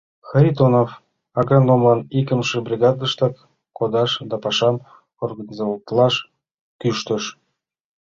Харитонов агрономлан икымше бригадыштак кодаш да пашам организоватлаш кӱштыш.